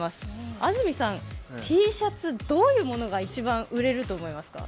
安住さん、Ｔシャツ、どういうものが一番売れると思いますか？